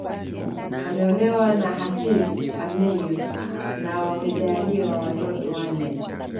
Ameolewa na Hafidh Ameir na wamejaaliwa watoto wanne